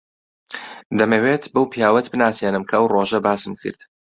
دەمەوێت بەو پیاوەت بناسێنم کە ئەو ڕۆژە باسم کرد.